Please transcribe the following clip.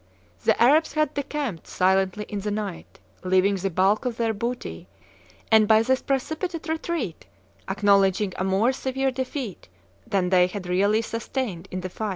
"The Arabs had decamped silently in the night, leaving the bulk of their booty, and by this precipitate retreat acknowledging a more severe defeat than they had really sustained in the fight."